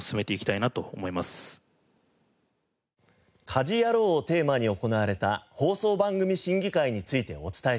『家事ヤロウ！！！』をテーマに行われた放送番組審議会についてお伝えしました。